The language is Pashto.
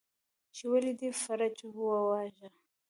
، چې ولې دې فرج وواژه؟